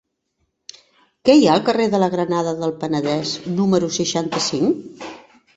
Què hi ha al carrer de la Granada del Penedès número seixanta-cinc?